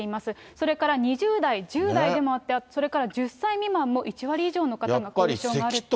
それから２０代、１０代でもあって、それから１０歳未満も１割以上の方が後遺症があると。